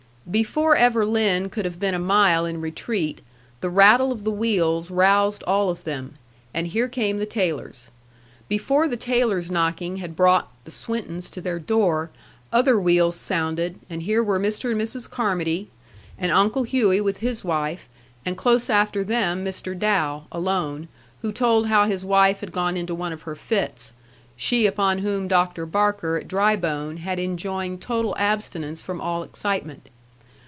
Before ever Lin could have been a mile in retreat, the rattle of the wheels roused all of them, and here came the Taylors. Before the Taylors' knocking had brought the Swintons to their door, other wheels sounded, and here were Mr. and Mrs. Carmody, and Uncle Hughey with his wife, and close after them Mr. Dow, alone, who told how his wife had gone into one of her fits she upon whom Dr. Barker at Drybone had enjoined total abstinence from all excitement.